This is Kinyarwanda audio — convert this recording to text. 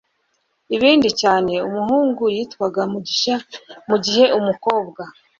ibindi cyane. umuhungu yitwaga mugisha mugihe umukobwa